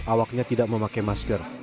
awaknya tidak memakai masker